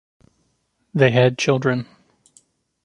They had children.